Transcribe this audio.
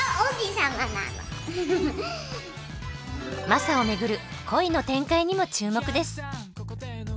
マサを巡る恋の展開にも注目です。